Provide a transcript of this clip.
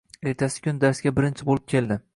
Ertasi kuni darsga birinchi bo`lib keldi